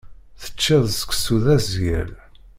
Teččiḍ seksu d asgal.